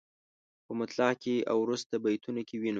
په مطلع کې او وروسته بیتونو کې وینو.